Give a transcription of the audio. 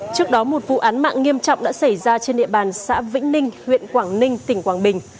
trước đó một vụ án mạng nghiêm trọng đã xảy ra trên địa bàn xã vĩnh ninh huyện quảng ninh tỉnh quảng bình